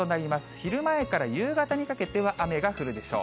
昼前から夕方にかけては雨が降るでしょう。